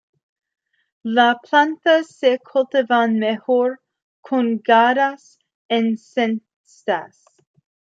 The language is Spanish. Las plantas se cultivan mejor colgadas en cestas.